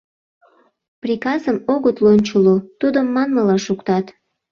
Приказым огыт лончыло, тудым, манмыла, шуктат.